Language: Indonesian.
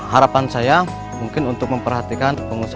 harapan saya mungkin untuk memperhatikan pengusaha